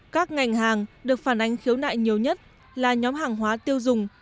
các ngành hàng được phản ánh khiếu nại nhiều nhất là nhóm hàng hóa tiêu dùng